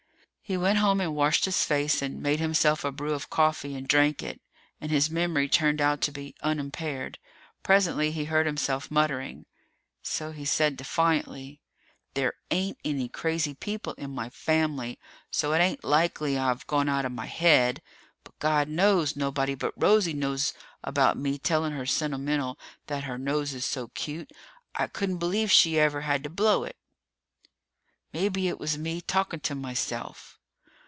He went home and washed his face, and made himself a brew of coffee and drank it, and his memory turned out to be unimpaired. Presently he heard himself muttering. So he said defiantly, "There ain't any crazy people in my family, so it ain't likely I've gone out of my head. But God knows nobody but Rosie knows about me telling her sentimental that her nose is so cute, I couldn't believe she ever had to blow it! Maybe it was me, talking to myself!"